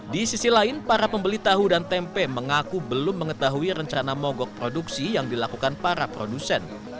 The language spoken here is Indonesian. di sisi lain para pembeli tahu dan tempe mengaku belum mengetahui rencana mogok produksi yang dilakukan para produsen